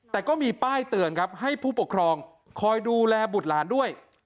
แต่ก็มีป้ายเตือนครับให้ผู้ปกครองคอยดูแลบุตรหลานด้วย